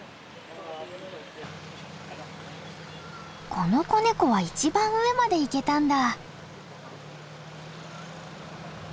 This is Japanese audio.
この子ネコは一番上まで行けたんだ。